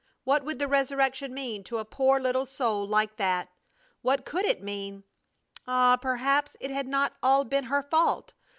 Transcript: What would the resurrection mean to a poor little soul like that? What could it mean? Ah! Perhaps it had not all been her fault!